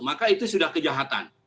maka itu sudah kejahatan